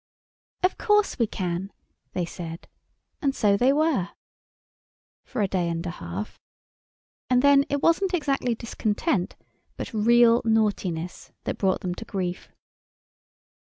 "Of course we can," they said—and so they were—for a day and a half. And then it wasn't exactly discontent but real naughtiness that brought them to grief.